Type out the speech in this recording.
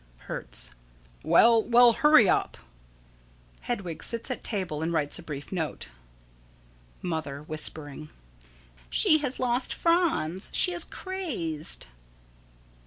Hertz: Well, well, hurry up! [Hedwig sits at table and writes a brief note.] Mother: [Whispering.] She has lost Franz. She is crazed.